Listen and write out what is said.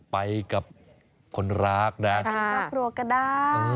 ไปกับคนรักนะตัวตัวก็ได้